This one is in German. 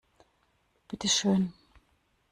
Bitte schön!